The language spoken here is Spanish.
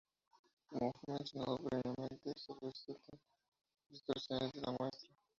Como fue mencionado previamente, se presentan distorsiones de la muestra.